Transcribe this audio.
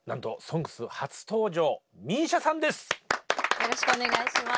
よろしくお願いします。